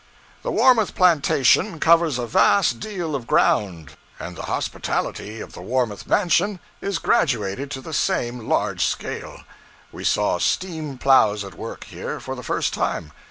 The Warmouth plantation covers a vast deal of ground, and the hospitality of the Warmouth mansion is graduated to the same large scale. We saw steam plows at work, here, for the first time.